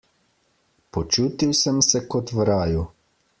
Počutil sem se kot v raju.